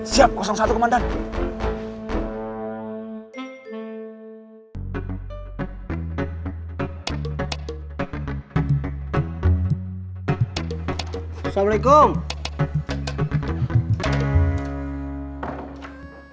siap satu kementerian pertahanan